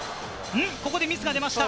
ここでミスが出ました。